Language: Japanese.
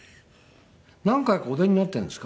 何回かお出になっているんですか？